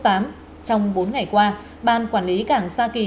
trong bốn ngày qua ban quản lý cảng sa kỳ